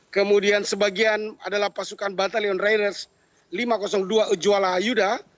kemudian sebagian adalah pasukan batalion raiders lima ratus dua ejuwala ayuda